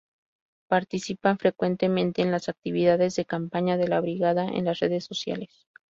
Participan frecuentemente en las actividades de campaña de la brigada en las redes sociales.